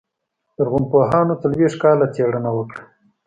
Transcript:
لرغونپوهانو څلوېښت کاله څېړنه وکړه.